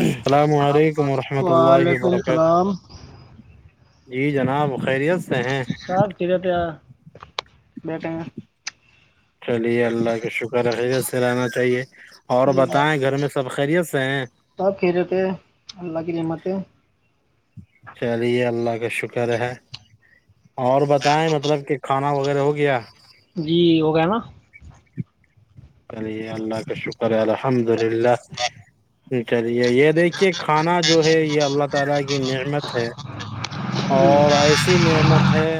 السلام علیکم ورحمۃ اللہ وعلیکم وبرکاتہ السلام جی جناب خیریت سے جی ہیں جناب خیریت ہے یہاں بیٹھے ہیں چلیے اللہ کا شکر ہے یس کرانا چاہیے اور جی بتائیں گھر میں سب خیریت سے ہیں سب خیریت ہے اللہ کی رحمت تو چلیے اللہ کا شکر ہے اور بتائے مطلب کہ کھانا وغیرہ ہو گیا جی ہو گیا نا چلیے اللہ کا شکر ہے الحمدللہ چلیے یہ دیکھیں کھانا جو ہے یہ اللہ تعالی کی نعمت ہے جی اور ایسی نعمت ہے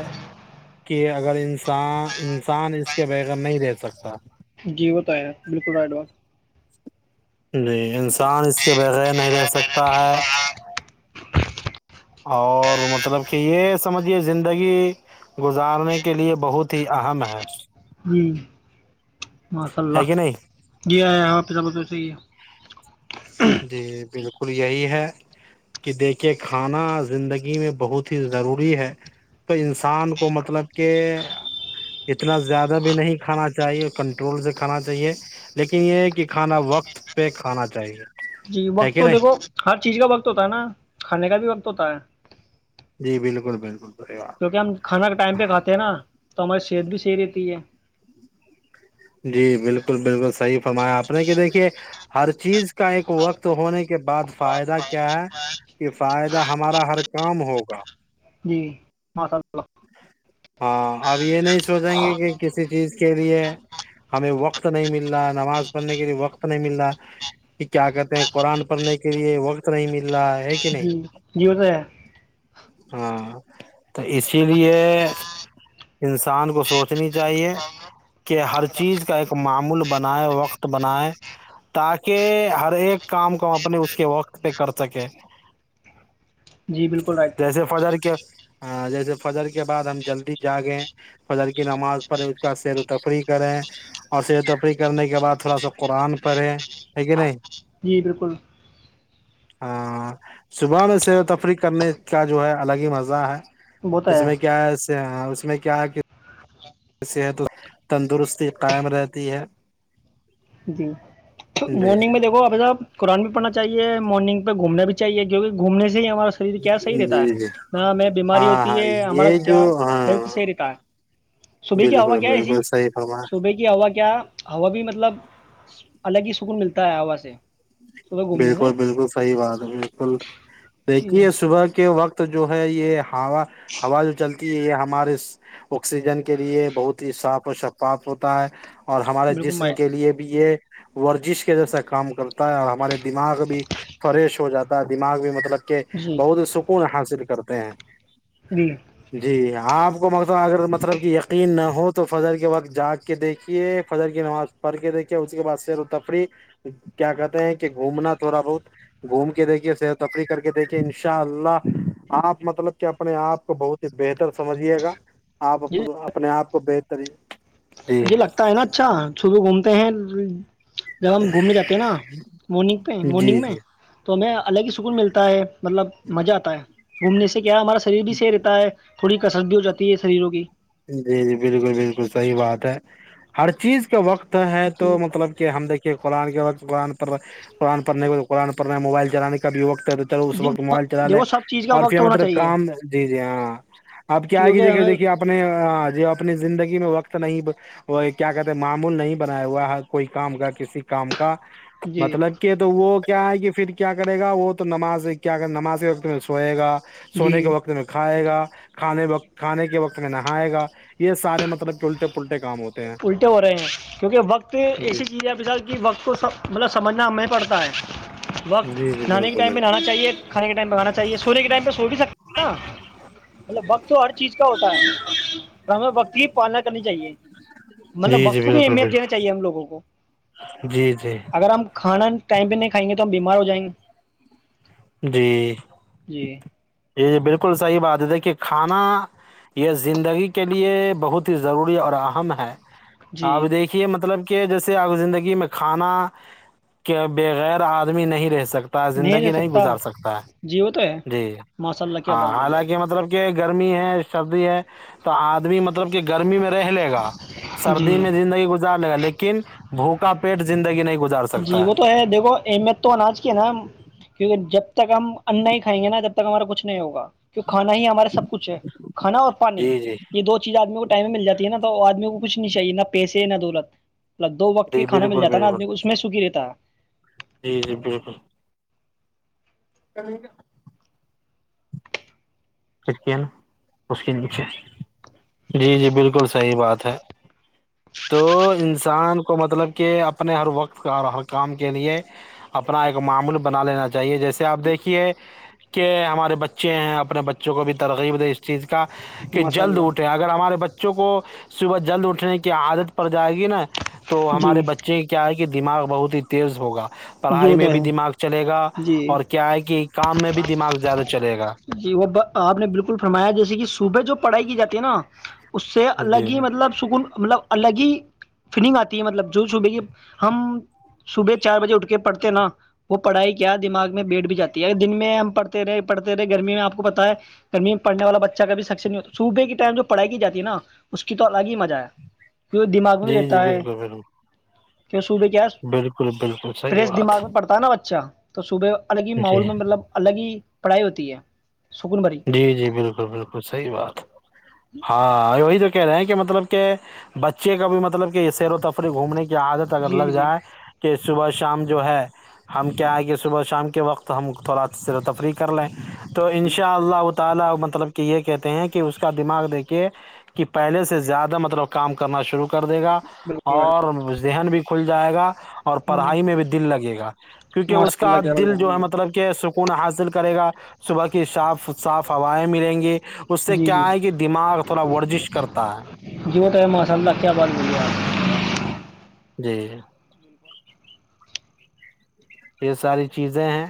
کہ اگر انسان انسان اس کے بغیر نہیں رہ سکتا جی وہ تو ہے بالکل رائٹ بات جی انسان اس کے بغیر نہیں رہ سکتا ہے اور مطلب کہ یہ سمجھیے زندگی گزارنے کے لیے بہت ہی اہم ہے جی ماشاء ہے اللہ کہ نہیں جی اہم تو ہے جی جی بالکل بالکل یہی ہے کہ دیکھیے کھانا زندگی میں بہت ہی ضروری ہے تو انسان کو مطلب کہ اتنا زیادہ بھی نہیں کھانا چاہیے کنٹرول سے کھانا چاہیے لیکن یہ ہے کہ کھانا وقت پہ کھانا چاہیے جی ہے وقت کہ تو نہیں دیکھو ہر چیز کا وقت ہوتا ہے نا کھانے کا بھی وقت ہوتا ہے جی بالکل بالکل صحیح بات کیونکہ ہم کھانا کے ٹائم پہ کھاتے ہیں نا تو ہماری صحت بھی صحیح رہتی ہے جی بالکل بالکل صحیح فرمایا آپ نے کہ دیکھیے ہر چیز کا ایک وقت ہونے کے بعد فائدہ کیا ہے کہ فائدہ ہمارا ہر کام ہوگا جی ماشاء اللہ ہاں اب یہ نہیں سوچیں گے کہ کسی چیز کے لیے ہمیں وقت نہیں مل رہا ہے نماز پڑھنے کے لیے وقت نہیں مل رہا کہ کیا کہتے ہیں قرآن پڑھنے کے لیے وقت نہیں مل رہا ہے کہ نہیں جی جی ہو تو ہے ہاں تو اس اس لیے انسان کو سوچنی چاہیے کہ ہر چیز کا ایک معمول بنائے وقت بنائے تاکہ ہر ایک کام کو ہم اپنے اس کے وقت پہ کر سکیں جی بالکل رائٹ جیسے فجر کیا ہاں جیس فجر کے بعد ہم جلدی جاگیں فجر کی نماز پڑھیں اس کا سیر و تفریح کریں اور سیر و تفریح کرنے کے بعد تھوڑا سا قرآن پڑھیں ٹھیک ہے نہیں جی بالکل ہاں صبح میں سیر و تفریح کرنے کا جو ہے الگ ہی مزہ ہے وہ تو اس ہے میں کیا اس میں کیا کہ صحت تندرستی قائم رہتی ہے جی تو جی مارننگ میں دیکھو اپ صاحب قرآن بھی پڑھنا چاہیے مارننگ پہ گھوم بھی چاہے کیکہ گھومنے سے ہمارا شریر کیا صحیح رہتا ہے جی جی نہ ہمیں بیماری ہاں ہوتی ہاں ہے ہمارا یہ جو کیا ہاں ہیلتھ صحیح رہتا ہے صبح کی ہو بالکل کیا ہے ایسی بالکل صحیح فرما صبح کی ہوا کیا ہوا بھی مطلب الگ ہی سکون ملتا ہے ہوا سے صبح گھومنے سے بالکل بالکل صحیح بات ہے بالکل جی دیکھیے صبح کے وقت تو جو ہے یہ ہا ہوا جو چلتی کہ یہ ہمارے آکسیجن کے لیے بہت ہی صاف اور شفاات ہوتا ہے اور ہمارے بالکل مائ جسم کے لیے بھی یہ ورزش کے جرس کام کرتا ہے اور ہمارے دماغ بھی فریش ہو جاتا ہے دماغ بھی مطلب کہ جی بہت ہی سکون حاصل کرتا ا جی جی آپ م اگر مطلب کہ یقین نہ ہو تو فجر کے وقت جاگ کے دیکھیے فجر کی نماز پڑھ کے دیکھیے اس کے بعد سیر و تفری کیا کہتے ہیں کہ کہ گھومنا تھوڑا بہت گھوم کے دیکھیے صحت تفریح کر کے دیکھیے ان شاء اللہ آپ مطلب کہ اپنے آپ کو بہت ہی بہتر سمجھیے گا آپ اپنے آپ کو بہتری یہ لگتا ہے نا اچھا شبو گھومتے ہیں جی جب ہم گھومنے جاتے ہیں نا مارنگ پہ مارننگ جی میں جی تو ہمیں الگ ہی سکون ملتا ہے مطلب مزہ آتا ہے گھومنے سے کیا ہمارا شریر بھی صحیح رہتا ہے تھوڑی کسر بھی ہو جاتی ہے شریروں کی جی جی بالکل بالکل صحیح بات ہے ہر چیز کا وقت ہے جی تو مطلب کہ ہم دیک قرآن کے بعد قآن قرآ پر نہیں کو تو قرآن پر میں موبائلان کا بھییقت تا اس جی وقت موبائل چلا لے دیکھو سب چیز کا اور وقت پھر ہونا مطلب چاہیے کام جی جی ہاں آپ کیا آئے گی کیونکہ دیکھیے ہمیں دیکھیے آپ ہ جو اپنی زندگی میں وقت نہیں کیا کہتے معمول نہیں بنایا ہوا ہ کوئی کام کا کسی کام کا جی مطلب کہ تو وہ کیا ہے کہ پھر کیا کرے گا وہ تو نماز کیا کر نماز کے وقت میں سوئے گا جی سونے کے وقت میں کھائے گا کھے وت کھانے کے وقت نہاائےا یہ سارے مطلب کہ الٹ الٹے ہو رہے ہیں کیونکہ وقت جی ایسی چیز ہے اب کی وقت کو مطلب سمجھنا ہمیں پڑتا ہے جی جی وقت نہانے کے بالکل ٹائم میںہ نہانا بالکل چاہیے کھانے کے ٹائم پہ بانا چاہیے سونے کے ٹائم پہ سو بھی سکتے ہیں نا مطلب وقت تو ہر چیز کا ہوتا ہے ہمیں وقت کی پالنا کرنی چاہیے مطلب جی جی وقت بھی بالکل اہمیت دینا بالکل چاہیے ہم لوگوں کو جی جی اگر ہم کھانا ٹائم پہ نہیں کھائیں گے تو ہم بیمار ہو جائیں گے [unintelligible] جی جی جی بالکل صحیح بات ہے دیکھیے کھانا یہ زندگی کے لیے بہت ہی ضروری اور اہم ہے جی آپ دیکھیے مطلب کہ جیسے آپ زندگی میں کھانا کے بغیر آدمی نہیں رہ سکتے پ زندگی نہیں گ جا سکتا جی وہ تو ہے جی ماشاء اللہ کیا ہاں بات بولی آپ حالانکہ مطلب کہ گر می ہے سبد ہے تو آپ می ب کہ گرمی میں رہ لے گا نے سردی میں جی زندگی گزار لے گا لیکن ن بھوکا پیٹ زندگی نہیں گزار جی سکتا وہ تو ہے دیکھو اہمیت تو اناج کی نا کیونکہ جب تک ہم انڈا ہی کھیں گے ناب ہمارا کچھ نہیں ہوگا کیونکہ کھانا ہی ہمارا سب کچھ ہے کھا اور پانی جی جی یہ دو چیز آدمیوں ٹائم میں مل جاتی ہے نا تو آدمی کو کچھ نہیں چاہیے نہ پیسے نہ دولت مب دو وقت جی کانا مل بالکل جاتا نا بالکل آدمی کو ک رہتا جی جی بالکل ا سک اس کے نچے جی جی بالکل صحیح بات ہے تو انسان کو مطلب کہ اپنے ہر وقت کا اور ہر کام کے لیے اپنا ایک معمول بنا لینا چاہیے جیسے آپ دیکھیے کہ ہمارے بچے ہیں اپنے بچ بچوں کو بھی ترغی د اس چیز کی کا کہ ماشاء جلد اٹھیں اللہ اگر ہمارے بچے چوں کو صبح جلد اٹھنے کی عادت پڑ جائے گی نا تو جی ہمارے بچے کیا آئے دماغ بہت ہی تیز ہوگا جی پڑھائی وہ میں تو بھی ہے دماغ چلے گا جی اور کیا ہے کہ کام میں بھی دماغ زیادہ چلے گا جی وہ آپ نے بالکل فرمایا جیسے کہ صوبح جو پڑھائی کی جاتی ہے نا اس سے الگ جی ہی مطلب سکون مطلب الگ ہی فیلنگ آتی ہے مطلب جو صبح کی ہم صبح چار بجے اٹھے پڑتے ہیں نا وہ پڑھائی کیا دماغ میں بیٹ بھی جی ہے اگر دن میں ہم پڑتے رہے پڑھتے رہے گرمی میں آپ کو پتتا ہے گرمی میں پڑھنے والا بچہ کا بھی سک نہیں ہو صوبح کے ٹائم جو پڑھائی کی جاتی ہے نا اس کی تو الگ ہی مزہ ہے کی دماغ میں جی رہتا جی ہے بالکل بالکل بالکل بالکل صحیح پریس دما بات میں پتا نا اچھا تو صبح الگ ہی ہے۔ ماحول جی میں مطلب الگ ہی پڑھائی ہوتی ہے سکون بھری جی جی بالکل بالکل سحی بات ہاں وہی تو کہ رہے ہیں کہ مطلب کہ بچے کا بھی مطلب کہ یہ سیر و تفری گھومنے کی عادت اگر جی جی لگ جی جائے کہ صبح شام جو ہے ہم کیا ہے کہ صبح شام کے وقت ہم تھوڑا سیر و تفریح کر لیں تو ان شا اللہ تعالی مطلب کہ یہ کہتے ہیں کہ اس کا دماغ دیکھیے کہ پہلے سے زیادہ مطلب کام کرنا شروع کر کر دے گا بالکل اور ذہن بھی کھل جائے گا اور ہ پڑھائی میں بھی دل لگے گا کیونکہ اس ماشاء اللہ کا کیا بات دل بول جو ہے رہی مطلب کہ سکون حاصل [unintelligible] کے صاف صاف ہوائیں ملیں گے ورزش کرتا ہے [unintelligible] [unintelligible] یہ ساری چیزیں ہیں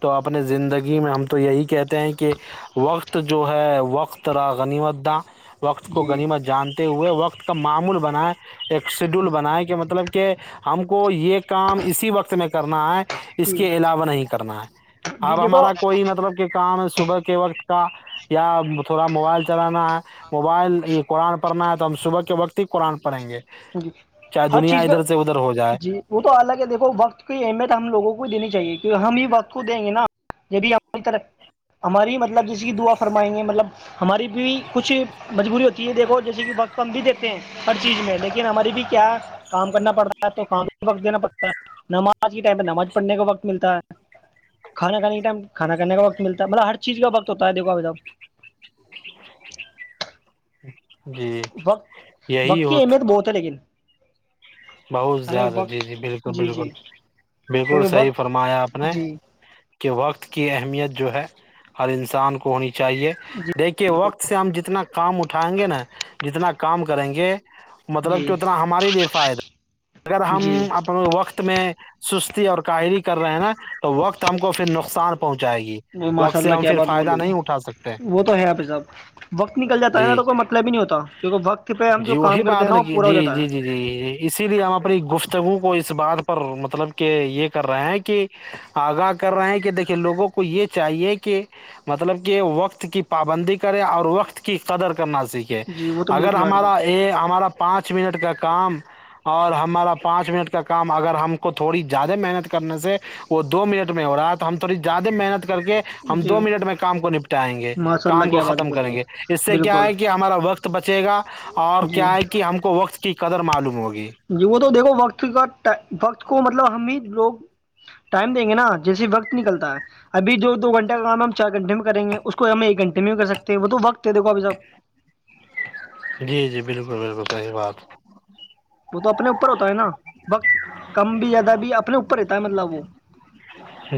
تو اپنے زندگی میں ہم تو یہی کہتے ہیں کہ وقت وقت جو ہے وقت را غنیمت داں وقت کو جی غنیمت جانتے ہوئے وقت کا معمول [unintelligible] ایک شیڈول بناائے کہ مطلب کہ ہم کو یہ کام اسی وقت میں کرنا ہے اس جی کے علاوہ نہیں کرنا ہے جی اب دیکھو ہمارا کوئی مطلب کہ کام صبح کے وقت کا یا تھوڑا موبائل چلانا [unintelligible] قرآن پڑھنا ہے تو ہم صبح کے وقت ہی قرآنڑیں گے جی چاہے ہر دنیا چیز کا ادھر سے ادھر ہو جائے جی وہ تو ال الگ ہے دیکھو وقت کی اہمیت ہم لوگوں کو [unintelligible] لیکن ہماری بھی کیا ہے کام کرنا پڑتا ہے تو کام وقت دینا پڑتا ہے نماز کے ٹائم پہ نماز پڑھنے کا وقت ملتا ہے کھانا کھانے کے ٹائم کھانا کھانے کا وقت ملتا ہے مطلب ہر چیز کا وقت ہوتا ہے دیکھو ابھی تب جی وقت یہی وقت کی ہوت اہمیت بہت ہے لیکن بہت ہمیں زیادہ جی وقت جی بالکل جی جی بالکل بالکل کیونکہ صحیح وقت فرمایا آپ نے جی کہ وقت کی اہمیت جو ہے ہر انسان کو ہونی چاہ چاہیے جی دیکھیے بالکل وقت سے ہم جتنا کام اٹھائیں گے نا جتنا کام کریں گے مطلب کہ جی اتنا ہمارے لیے فائدہ اگر ہم جی اپنے وقت میں سستی اور شری کر رہے ہیں نا وقت ہم کو پھر نقصان پر وہ ماشاء اللہ کیا بات بول رہے نہیں اٹھا سکتے ہے وہ تو ہے آپ صاحب وقت نکل جاتا ہے نا جی تو کوئی مطلب ہی نہیں ہوتا کیونکہ وقت پہ ہم جی جو وہی کام کرتے بات ہیں نا ن وہ کی پورا ہو جی جی جاتا ہے جی جی جی اسی لیے ہم اپنی گفتگو کو اس بار پر مطلب کہ یہ کر رہے ہیں کہ آگاہ کر رہے ہیں کہ دیکھیے لوگوں کو یہ چاہیے کہ مطلب کہ وقت کی پابندی کرے اور وقت کی قدر کرنا سیکھے جی وہ تو اگر بالکل آٹ گا ہمارا یہ ہمارا پانچ منٹ کا کام اور ہمارا پان منٹ کا کام اگر ہم کو تھوڑی زیادہ محنت کرنے سے وہ منٹ میں ہو رہا تو ہم تھوڑی زیادہ محنت کر کے ہم جی دو منٹ میں کام کو نپٹائیں گے ماشاء اللہ کام کو کیا بات ختم کریں بولی ہے گے اس سے کیا بالکل ہے کہ ہمارا وقت بچے گا اور جی کیا ہے کہ ہم کو وقت کی قدر معلوم ہوگی جی وہ تو دیکھو وقت کا وقت کو مطلب ہم ہی لوگ ٹائم دیں گے نا جیسے وقت نکلتا ہے ابھی جو دو گھنٹے کا کام ہم چار گھنٹے میں کریں گے اس کو ہم ایک گھنٹے میں کر سکتے ہیں وہ تو وقت تو دھا پ جاپ جی جی بالکل بالکل صحیح بات وہ تو اپنے اوپر ہوتا ہے نا وقت کم بھی زیادہ بھی اپنے اوپر رہتا ہے مطلب وہ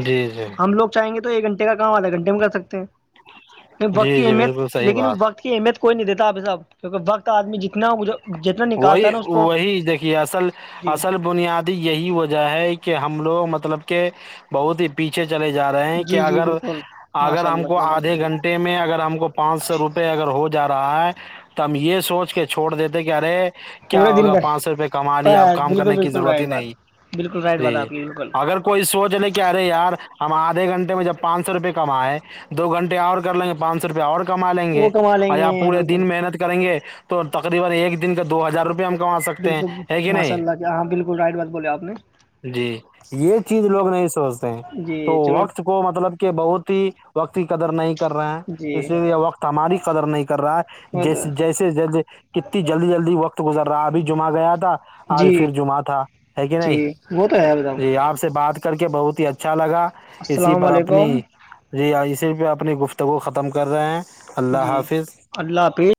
جی جی ہم لوگ چاہیں گے تو تو ایک گھنٹے کا کام آدھے گھنٹے میں کر سکتے ہیں جی وقت کی جی اہمیت بالکل صحیح لیکن بات وقت کی اہمیت کوئی نہیں دیتا اب صحب کیونکہ وقت آدمی جتنا ہو مجھے جتنا نکالتا وہی ہے نا کو وہی دیکھیے اصل جی اصل بنیادی یہی وجہ ہے کہ ہم لوگ مطلب کہ بہت ہی پیچھے چلے جا رہے ہیں کہ جی جی اگر بالکل اگر ماشاء ہم اللہ کو کیا بات آدھے گھنٹے میں اگر ہم کو پانچ سو روپئے اگر ہو جائے جا رہا ہے تو ہم یہ سوچ کے چھوڑ دیتے کہ ارے کیا پورے دن ہوگا کا پانچ سو روپئے کما لیا آپ کام بالکل کرنے کی بالکل ضرورت ہی رائٹ بات نہیں بالکل رائٹ بات جی آپ کی بالکل اگر کوئی سوچ لے کہ ارے یار ہم آ ایک گنٹے میں جب پانچ سو روپئے کما ہے دو گھنٹے اور کر لیں گے پانچ سو روپئے اور وہ کما لیں گے بالکل کر [inaudible] [inaudible] کا دو ہزار روپئے ہم کو سکتے ہیں بالکل ہے کہ ماشاء نہیں اللہ کیا ہاں بالکل رائٹ بات بولے آپ نے جی یہ چیز لوگ نہیں سوچتے تو جی چلو وقت کو مطلب کہ بہت ہی وقت کی قدر نہیں کر رہے ہیں جی اسی لیے وقت ہماری قدر نہیں کر رہا ہے وہ تو جیسے جیسے جیسے کتنی ج جلدی جلدیقت گزار [inaudible] راہ بھی جما گیا تھا آج جی پھر جمعہ تھا ہے کہ جی نہیں وہ تو ہے بتاؤ جی آپ سے بات کر کے بہت ہی اچھا لگا اسی السلام پر علیکم اپنی صرف اپنی گفتگو ختم کر رہے ہیں اللہ جی حافظ اللہ حافظ